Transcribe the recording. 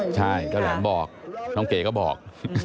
ใช่เจ้าแหลมบอกน้องเก๋ก็บอก